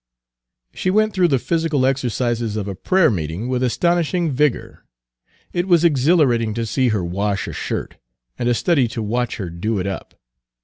She went through the physical exercises of a prayer meeting with astonishing vigor. It was exhilarating to see her wash a shirt, and a study to watch her do it up.